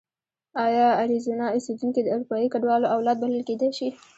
ایا اریزونا اوسېدونکي د اروپایي کډوالو اولاد بلل کېدای شي؟